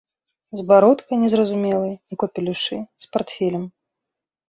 З бародкай незразумелай, у капелюшы, з партфелем.